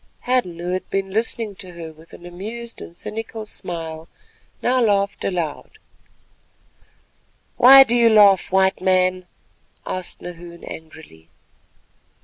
Hadden, who had been listening to her with an amused and cynical smile, now laughed aloud. "Why do you laugh, White Man?" asked Nahoon angrily.